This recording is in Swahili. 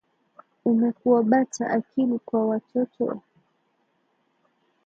Umekuwa bata akili kwa watoto?